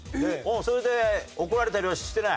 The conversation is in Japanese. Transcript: それで怒られたりはしてない？